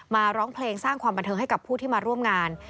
ร้องเพลงสร้างความบันเทิงให้กับผู้ที่มาร่วมงาน